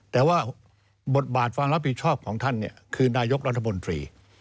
แต่ว่าบทบาทความรับผิดชอบของท่านคือนายกรัฐมนตรี